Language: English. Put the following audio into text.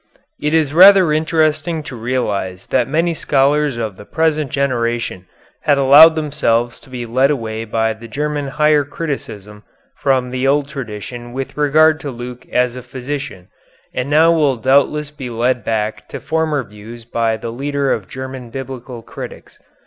It is rather interesting to realize that many scholars of the present generation had allowed themselves to be led away by the German higher criticism from the old tradition with regard to Luke as a physician and now will doubtless be led back to former views by the leader of German biblical critics.